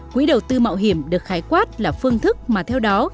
quỹ đầu tư mạo hiểm được khái quát là phương thức mà theo đó